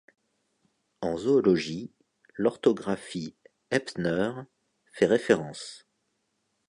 En zoologie, l'orthographie Heptner fait référence.